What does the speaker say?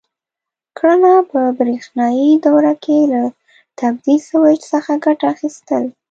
کړنه: په برېښنایي دوره کې له تبدیل سویچ څخه ګټه اخیستل: